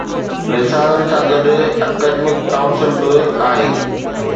رسالن سان گڏ، اڪيڊمڪ ڪائونسل به آهي.